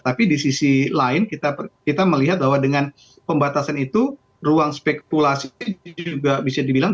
tapi di sisi lain kita melihat bahwa dengan pembatasan itu ruang spekulasi juga bisa dibilang